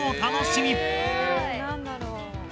え何だろう？